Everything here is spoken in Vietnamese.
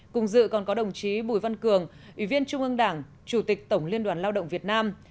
cùng dự còn có đồng chí bùi văn cường ủy viên trung ương đảng chủ tịch tổng liên đoàn lao động việt nam